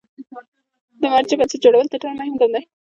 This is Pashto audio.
د مرجع بنسټ جوړول تر ټولو مهم ګام دی.